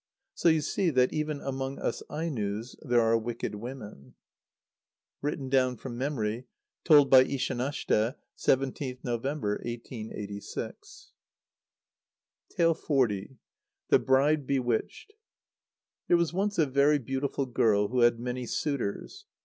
So you see that, even among us Ainos, there are wicked women. (Written down from memory. Told by Ishanashte, 17th November, 1886.) xl. The Bride Bewitched. There was once a very beautiful girl who had many suitors.